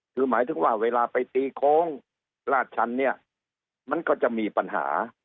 คือหมายถึงว่าเวลาไปตีโค้งลาดชันเนี่ยมันก็จะมีปัญหา